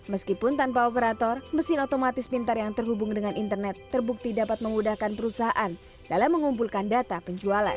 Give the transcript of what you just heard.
meskipun tanpa operator mesin otomatis pintar yang terhubung dengan internet terbukti dapat memudahkan perusahaan dalam mengumpulkan data penjualan